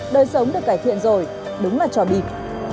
đời sống được cải thiện rồi đúng là trò bịp